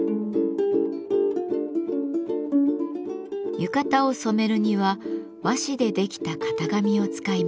浴衣を染めるには和紙でできた型紙を使います。